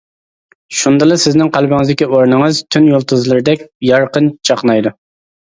شۇندىلا سىزنىڭ قەلبىمىزدىكى ئورنىڭىز تۈن يۇلتۇزلىرىدەك يارقىن چاقنايدۇ.